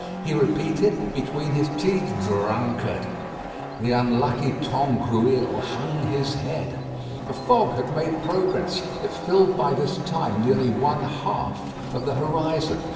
He repeated, between his teeth, "Drunkard." The unlucky Tangrouille hung his head. The fog had made progress. It filled by this time nearly one half of the horizon.